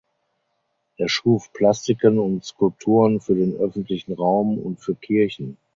Er schuf Plastiken und Skulpturen für den öffentlichen Raum und für Kirchen.